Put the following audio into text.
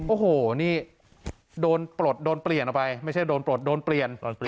โอ้โหนี่โดนปลดโดนเปลี่ยนออกไปไม่ใช่โดนปลดโดนเปลี่ยน